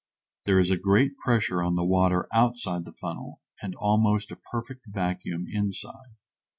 There is a great pressure on the water outside of the funnel and almost a perfect vacuum inside.